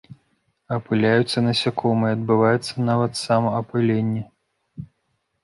Апыляюцца насякомыя, адбываецца нават самаапыленне.